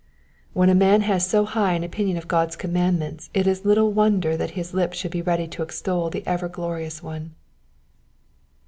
When a man has so high an opinion of God's commandments it is little wonder that his lips should be ready to extol the ever glorious One.